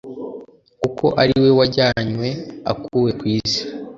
kuko ari we wajyanywe akuwe ku isi